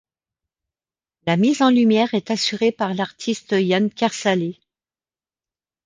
La mise en lumière est assurée par l'artiste Yann Kersalé.